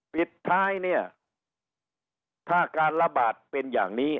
ปิดท้ายเนี่ยถ้าการระบาดเป็นอย่างนี้